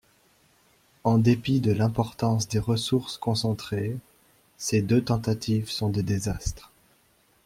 En dépit de l'importance des ressources concentrées, ces deux tentatives sont des désastres.